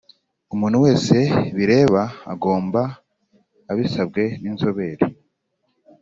Umuntu wese bireba agomba abisabwe n inzobere